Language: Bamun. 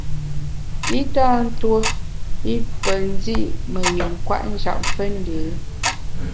I tâ tuo i pe ndi’ me yin kwet njap fe ndé.